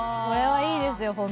これはいいですよ